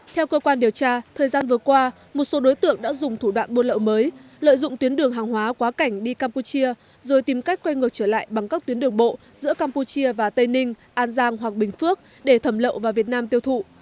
theo cơ quan điều tra thời gian vừa qua một số đối tượng đã dùng thủ đoạn buôn lậu mới lợi dụng tuyến đường hàng hóa quá cảnh đi campuchia rồi tìm cách quay ngược trở lại bằng các tuyến đường bộ giữa campuchia và tây ninh an giang hoặc bình phước để thẩm lậu vào việt nam tiêu thụ